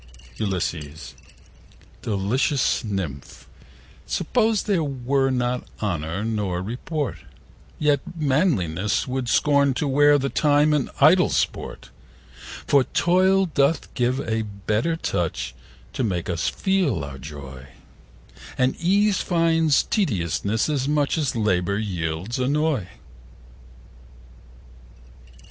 Ulysses.Delicious Nymph, suppose there were 25 No honour nor report, Yet manliness would scorn to wear The time in idle sport: For toil doth give a better touch To make us feel our joy, 30 And ease finds tediousness as much As labour yields annoy.